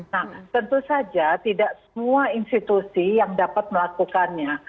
nah tentu saja tidak semua institusi yang dapat melakukannya